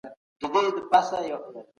خلګو وپوښتل چي ايا سياسي بدلونونه ګټور دي؟